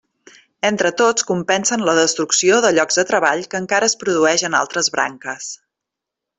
Entre tots compensen la destrucció de llocs de treball que encara es produeix en altres branques.